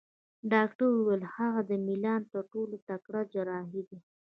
ډاکټر وویل: هغه د میلان تر ټولو تکړه جراح دی.